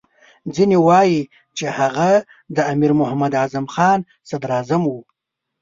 ځینې وایي چې هغه د امیر محمد اعظم خان صدراعظم وو.